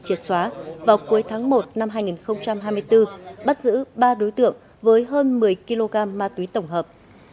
triệt xóa vào cuối tháng một năm hai nghìn hai mươi bốn bắt giữ ba đối tượng với hơn một mươi kg ma túy tổng hợp